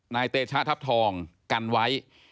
เตชะทัพทองกันไว้